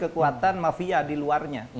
kekuatan mafia di luarnya